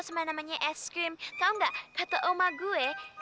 sama namanya es krim tahu enggak kata oma gue